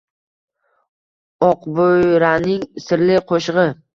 Oqboʼyraning sirli qoʼshigʼi